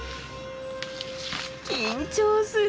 緊張する。